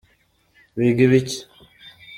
Wiga ibiki?